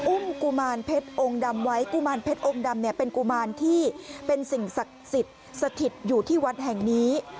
กุมารเพชรองค์ดำไว้กุมารเพชรองค์ดำเนี่ยเป็นกุมารที่เป็นสิ่งศักดิ์สิทธิ์สถิตอยู่ที่วัดแห่งนี้